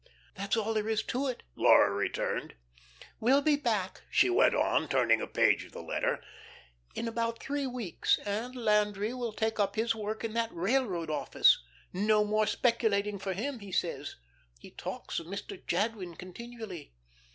"That's all there is to it," Laura returned. "'We'll be back,'" she went on, turning a page of the letter, "'in about three weeks, and Landry will take up his work in that railroad office. No more speculating for him, he says. He talks of Mr. Jadwin continually.